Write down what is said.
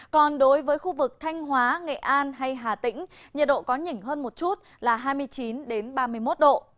còn đối với khu vực thanh hóa nghệ an hay hà tĩnh nhiệt độ có nhỉnh hơn một chút là hai mươi chín ba mươi một độ